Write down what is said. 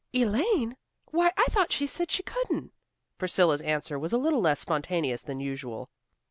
"Elaine! Why, I thought she said she couldn't." Priscilla's answer was a little less spontaneous than usual.